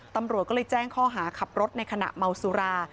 ตำรวจก็เลยแจ้งข้อหาขับรถในขณะเมาสุรา